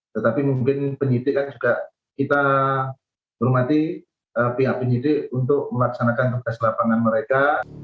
tetapi mungkin penyidik kan juga kita hormati pihak penyidik untuk melaksanakan tugas lapangan mereka